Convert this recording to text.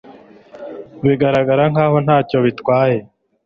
bigaragara nk aho nta cyo bitwaye